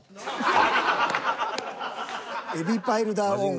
エビパイルダーオン。